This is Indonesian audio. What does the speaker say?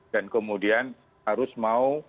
dan kemudian harus mau